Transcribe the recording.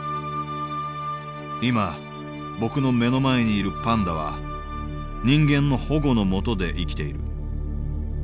今僕の目の前にいるパンダは人間の保護の下で生きている。